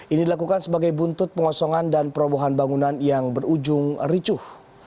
ini dilakukan sebagai buntut pengosongan dan perobohan bangunan yang berujung ricuh